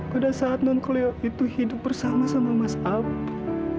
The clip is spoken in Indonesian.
pada saat nonkeleo itu hidup bersama sama mas abi